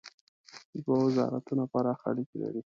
دوه وزارتونه پراخ اړیکي لري.